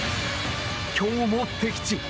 今日も敵地。